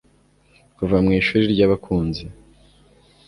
Kuva mu Ishuri ryabakunzi